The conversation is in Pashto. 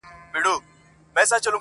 مخ یې ونیوی د نیل د سیند پر لوري٫